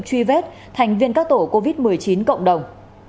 truy vết thành viên các tổ covid một mươi chín cộng đồng